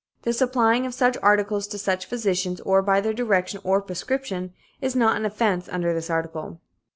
The supplying of such articles to such physicians or by their direction or prescription, is not an offense under this article.'